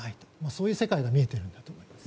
そういう世界が見えているんだと思います。